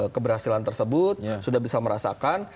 keberhasilan tersebut sudah bisa merasakan